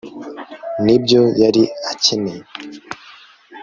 nibyo yari akeneye